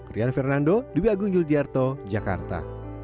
rian fernando dwi agung yuldiarto jakarta